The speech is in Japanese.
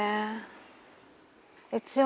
一応。